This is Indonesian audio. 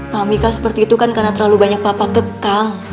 pak mika seperti itu kan karena terlalu banyak papa ketang